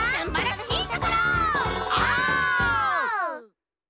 オ！